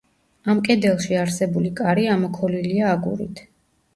ამ კედელში არსებული კარი ამოქოლილია აგურით.